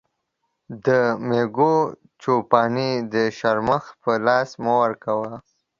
د مېږو چو پاني د شرمښ په لاس مه ورکوه.